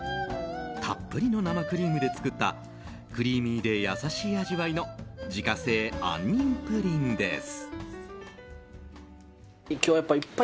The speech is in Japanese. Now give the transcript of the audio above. たっぷりの生クリームで作ったクリーミーで優しい味わいの自家製杏仁プリンです。